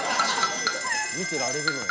「見てられるのよ」